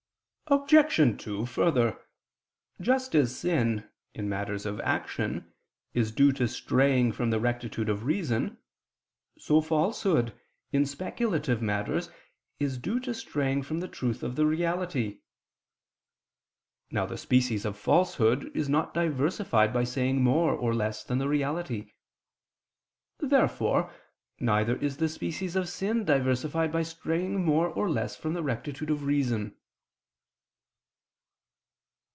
Obj. 2: Further, just as sin, in matters of action, is due to straying from the rectitude of reason, so falsehood, in speculative matters, is due to straying from the truth of the reality. Now the species of falsehood is not diversified by saying more or less than the reality. Therefore neither is the species of sin diversified by straying more or less from the rectitude of reason.